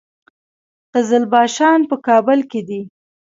قزلباشان په کابل کې دي؟